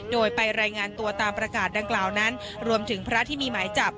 โดยไปรายงานตัวตามประกาศดังกล่าวนั้นรวมถึงพระที่มีหมายจับ